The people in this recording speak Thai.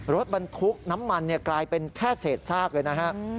รถบรรทุกน้ำมันกลายเป็นแค่เศษซากเลยนะฮะ